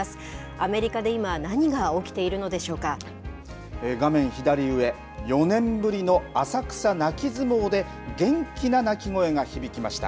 アメリカで今、何が起きているの画面左上、４年ぶりの浅草泣き相撲で元気な泣き声が響きました。